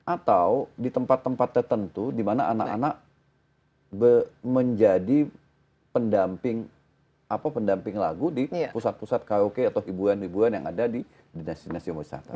atau di tempat tempat tertentu di mana anak anak menjadi pendamping lagu di pusat pusat karaoke atau hiburan hiburan yang ada di dinasti dinasti